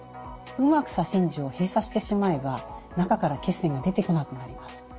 うまく左心耳を閉鎖してしまえば中から血栓が出てこなくなります。